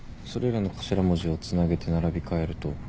それらの頭文字をつなげて並び替えると。